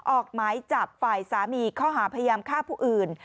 ออกหมายจับฝ่ายสามีข้อหาพยายามฆ่าผู้อื่น